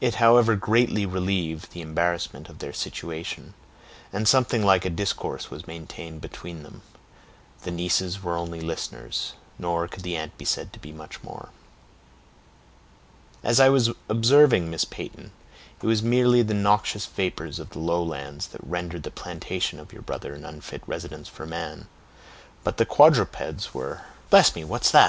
It however greatly relieved the embarrassment of their situation, and something like a discourse was maintained between them; the nieces were only listeners, nor could the aunt be said to be much more. "As I was observing, Miss Peyton, it was merely the noxious vapors of the lowlands that rendered the plantation of your brother an unfit residence for man; but quadrupeds were—" "Bless me, what's that?"